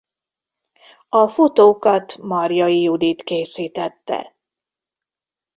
A fotókat Marjai judit készítette.